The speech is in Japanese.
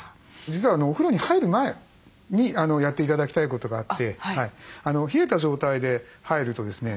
実はお風呂に入る前にやって頂きたいことがあって冷えた状態で入るとですね